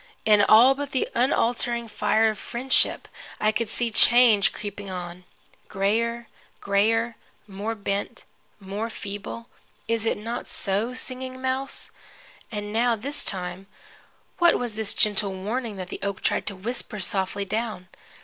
In all but the unaltering fire of friendship I could see change creeping on. Grayer, grayer, more bent, more feeble is it not so, Singing Mouse? And now, this time, what was this gentle warning that the oak tried to whisper softly down?